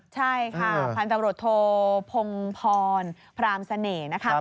ใช่ค่ะพันธุ์ตำรวจโทพงพรพรามเสน่ห์